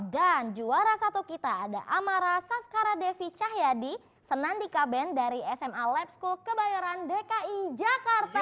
dan juara satu kita ada amara saskara devi cahyadi senandika band dari sma lab school kebayoran dki jakarta